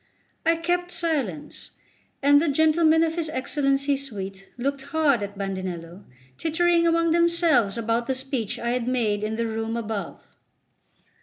I kept silence, and the gentlemen of his Excellency's suite looked hard at Bandinello, tittering among themselves about the speech I had made in the room above.